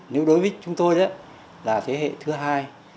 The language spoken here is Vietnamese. nếu đối với chúng tôi là thế hệ thứ hai